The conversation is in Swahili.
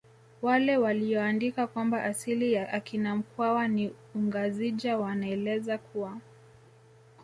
Wale waliyoandika kwamba asili ya akina mkwawa ni ungazija wanaeleza kuwa